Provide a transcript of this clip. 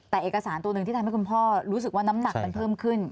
แต่เอกสารตัวหนึ่งที่ทำให้คุณพ่อรู้สึกว่าน้ำหนักมันเพิ่มขึ้น